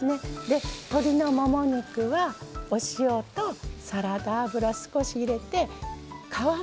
で鶏のもも肉はお塩とサラダ油少し入れて皮のほうから焼きます。